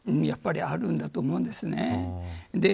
やっぱりあるんだと思うんですね。